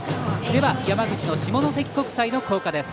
では山口の下関国際の校歌です。